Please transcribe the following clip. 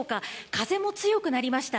風も強くなりました。